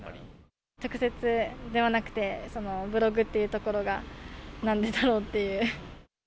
直接ではなくて、ブログっていうところが、なんでだろう？っていう。